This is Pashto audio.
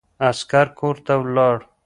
عسکر کورته ولاړ.